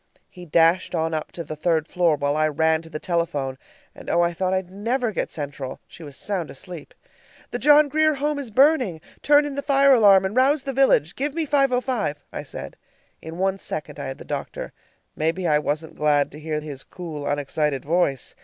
He dashed on up to the third floor while I ran to the telephone and oh, I thought I'd never get Central! She was sound asleep. "The John Grier Home is burning! Turn in the fire alarm and rouse the village. Give me 505," I said. In one second I had the doctor. Maybe I wasn't glad to hear his cool, unexcited voice!